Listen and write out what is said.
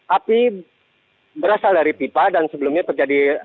api berasal dari pipa dan sebelumnya terjadi